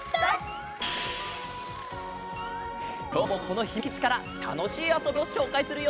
きょうもこのひみつきちからたのしいあそびをしょうかいするよ！